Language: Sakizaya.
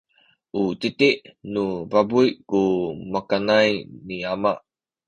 u titi nu pabuy ku makanay ni ama.